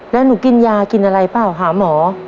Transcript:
แล้วหนูกินยากินอะไรเปล่าหาหมอ